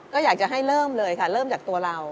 ก็อยากจะให้เริ่มเลยค่ะเริ่มจากตัวเรา